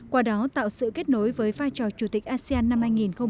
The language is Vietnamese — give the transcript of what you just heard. qua đó tạo sự kết nối với vai trò chủ tịch asean năm hai nghìn hai mươi